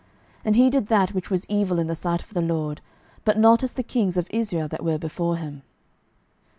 12:017:002 And he did that which was evil in the sight of the LORD, but not as the kings of Israel that were before him.